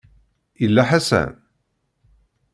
Yella Ḥasan?